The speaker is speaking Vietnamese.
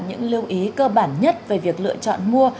những lưu ý cơ bản nhất về việc lựa chọn mua